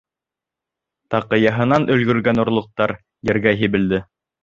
Таҡыяһынан өлгөргән орлоҡтар ергә һибелде.